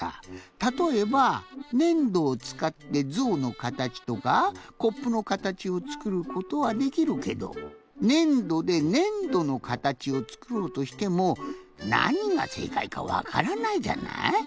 たとえばねんどをつかってぞうのかたちとかコップのかたちをつくることはできるけどねんどでねんどのかたちをつくろうとしてもなにがせいかいかわからないじゃない？